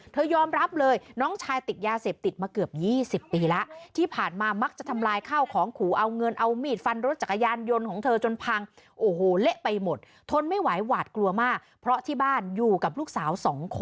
เธอยอมรับเลยน้องชายติดยาเสพติดมาเกือบ๒๐ปีแล้ว